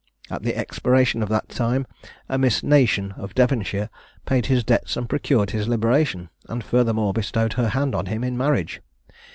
At the expiration of that time, a Miss Nation, of Devonshire, paid his debts and procured his liberation; and furthermore bestowed her hand on him in marriage.